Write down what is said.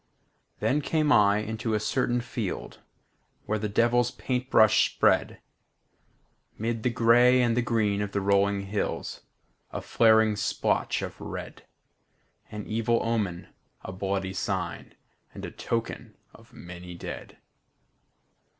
Then came I into a certain field Where the devil's paint brush spread 'Mid the gray and green of the rolling hills A flaring splotch of red, An evil omen, a bloody sign, And a token of many dead.